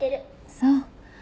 そう。